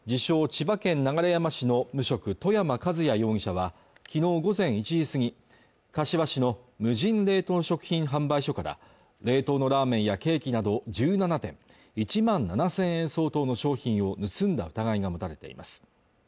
千葉県流山市の無職外山和也容疑者はきのう午前１時過ぎ柏市の無人冷凍食品販売所から冷凍のラーメンやケーキなど１７点１万７０００円相当の商品を盗んだ疑いが持たれています